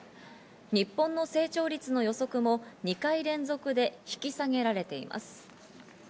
日本の成長率の予測も２回連続で引き下げられています。